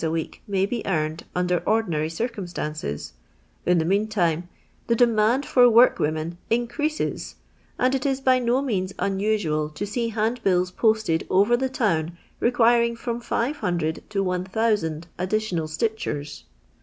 a week may be earned under ordinary circumstances. *'' In the meantime tkr. danjand for icorln^omen xncrMuas, and it is by no means unusual to see band bills posted over the town requiring from 500 to 1000 additional stitchers."